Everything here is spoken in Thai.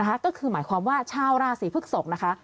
ก็คือหมายความว่าชาวราศีพฤกษกนะคะ